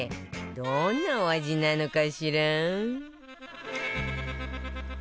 どんなお味なのかしら？